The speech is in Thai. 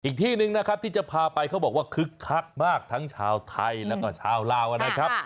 อีกที่หนึ่งนะครับที่จะพาไปเขาบอกว่าคึกคักมากทั้งชาวไทยแล้วก็ชาวลาวนะครับ